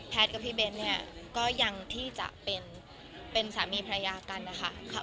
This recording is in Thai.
กับพี่เบ้นเนี่ยก็ยังที่จะเป็นสามีภรรยากันนะคะ